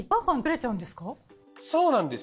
そうなんですよ。